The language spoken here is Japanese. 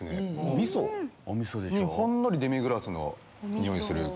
みそにほんのりデミグラスの匂いする。